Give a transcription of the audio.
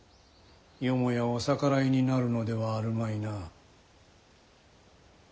よもやお逆らいになるのではあるまいな？